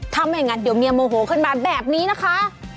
ถ้าไม่งั้นเดี๋ยวเมียโมโหขึ้นมาแบบนี้นะคะ